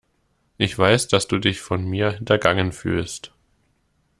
Ich weiß, dass du dich von mir hintergangen fühlst.